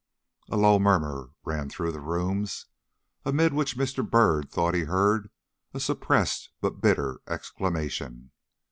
A low murmur ran through the rooms, amid which Mr. Byrd thought he heard a suppressed but bitter exclamation.